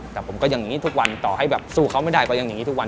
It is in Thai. แต่ผมก็อย่างนี้ทุกวันต่อให้แบบสู้เขาไม่ได้ก็ยังอย่างนี้ทุกวัน